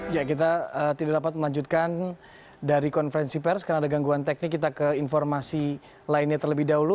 ya kita tidak dapat melanjutkan dari konferensi pers karena ada gangguan teknik kita ke informasi lainnya terlebih dahulu